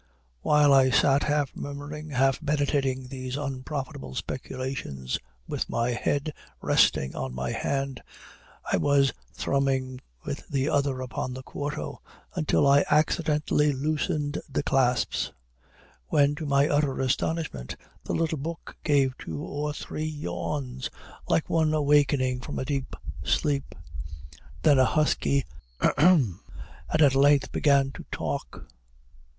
While I sat half murmuring, half meditating these unprofitable speculations with my head resting on my hand, I was thrumming with the other hand upon the quarto, until I accidentally loosened the clasps; when, to my utter astonishment, the little book gave two or three yawns, like one awaking from a deep sleep; then a husky hem; and at length began to talk.